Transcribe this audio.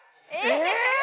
え？